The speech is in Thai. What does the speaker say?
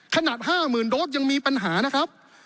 ขนาด๕๐๐๐โดสยังมีปัญหานะครับ